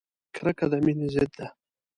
کرکه د مینې ضد ده!